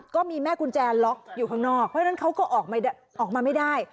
ก็มีแม่กุญแจล็อกอยู่ข้างนอกเพราะฉะนั้นเขาก็ออกมาไม่ได้